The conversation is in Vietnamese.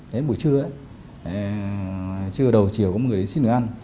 đến buổi trưa trưa đầu chiều có một người đến xin đồ ăn